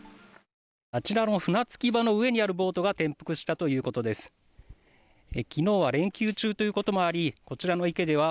あちらの船着き場の上にあるボートが転覆したということです。